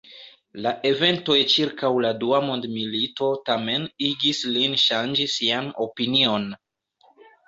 La eventoj ĉirkaŭ la dua mondmilito tamen igis lin ŝanĝi sian opinion.